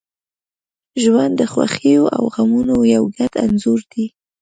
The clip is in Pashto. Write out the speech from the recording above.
• ژوند د خوښیو او غمونو یو ګډ انځور دی.